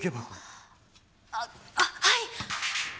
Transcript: ああっはい！